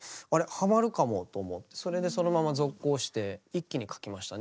はまるかもと思ってそれでそのまま続行して一気に書きましたね